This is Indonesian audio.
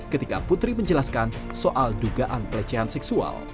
ketika putri menjelaskan soal dugaan pelecehan seksual